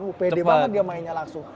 oh pede banget dia mainnya langsung